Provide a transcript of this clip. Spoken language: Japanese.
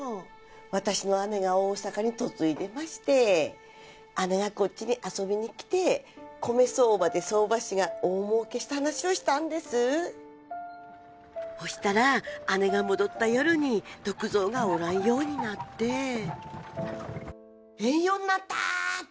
私の姉が大阪に嫁いでまして姉がこっちに遊びに来て米相場で相場師が大儲けした話をしたんですほしたら姉が戻った夜に篤蔵がおらんようになって「えんようなった！」って